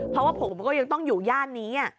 เพราะว่าผมก็ยังต้องอยู่ย่านนี้